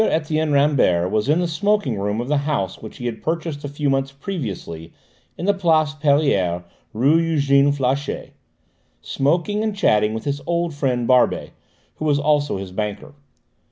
Etienne Rambert was in the smoking room of the house which he had purchased a few months previously in the Place Pereire, rue Eugène Flachat, smoking and chatting with his old friend Barbey, who also was his banker.